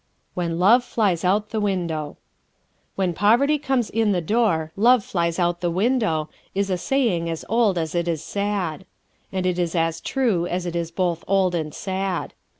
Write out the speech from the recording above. When Love Flies Out the Window ¶ "When poverty comes in the door love flies out the window" is a saying as old as it is sad. ¶ And it is as true as it is both old and sad.